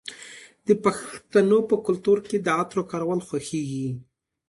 د پښتنو په کلتور کې د عطرو کارول خوښیږي.